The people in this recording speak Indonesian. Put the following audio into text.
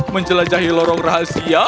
menjelajahi lorong rahasia